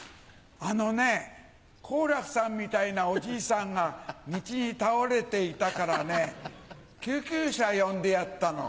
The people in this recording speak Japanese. あのね好楽さんみたいなおじいさんが道に倒れていたからね救急車呼んでやったの。